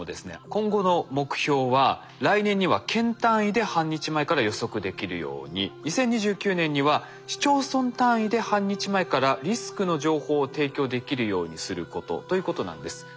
今後の目標は来年には県単位で半日前から予測できるように２０２９年には市町村単位で半日前からリスクの情報を提供できるようにすることということなんです。